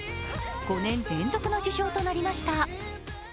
５年連続の受賞となりました。